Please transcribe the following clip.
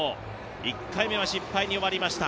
１回目は失敗に終わりました。